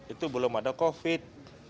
itu belum ada covid